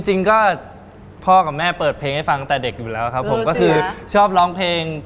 จริงก็พ่อกับแม่เปิดเพลงให้ฟังแต่เด็กอยู่แล้วครับผมก็คือชอบร้องเพลง